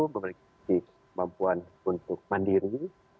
memiliki kemampuan untuk mandiri